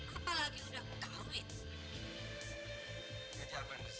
apalagi udah kawin